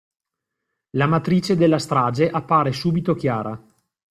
La matrice della strage appare subito chiara.